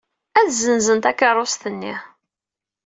Ad ssenzen takeṛṛust-nni.